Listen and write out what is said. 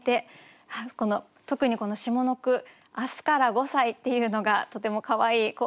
特にこの下の句「明日から五歳」っていうのがとてもかわいい。